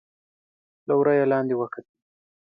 له وره يې لاندې وکتل.